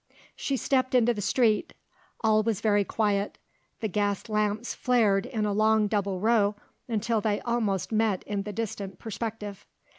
She stepped into the street. All was very quiet. The gas lamps flared in a long double row till they almost met in the distant perspective.